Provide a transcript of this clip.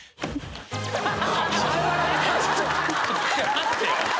待ってよ。